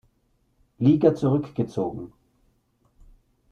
Liga zurückgezogen.